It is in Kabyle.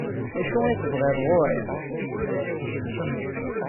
D acu i tebɣiḍ ɣur-i?